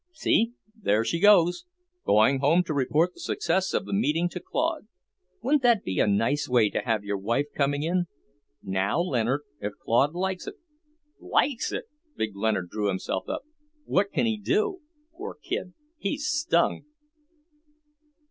"See, there she goes; going home to report the success of the meeting to Claude. Wouldn't that be a nice way to have your wife coming in?" "Now, Leonard, if Claude likes it " "Likes it?" Big Leonard drew himself up. "What can he do, poor kid? He's stung!"